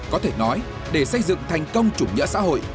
có thể nói để xây dựng thành công chủ nghĩa xã hội